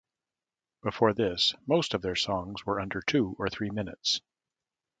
Before this, most of their songs were under two or three minutes.